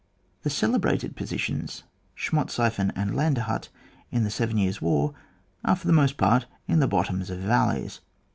The celebrated positions, Schmotseifen and Landshut, in the Seven Years' War, are for the most part in the bottoms of valleys.